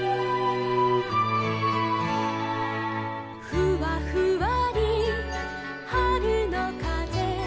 「ふわふわりはるのかぜ」